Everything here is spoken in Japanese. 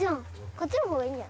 こっちの方がいい。